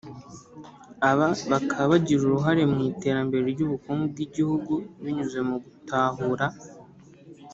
Aba bakaba bagira uruhare mu iterambere ry’ubukungu bw’igihugu binyuze mu gutahura